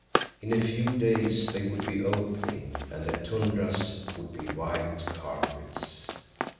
In a few days they would be opening, and the tundras would be white carpets.